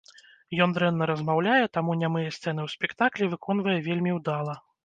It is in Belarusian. Ён дрэнна размаўляе, таму нямыя сцэны ў спектаклі выконвае вельмі ўдала.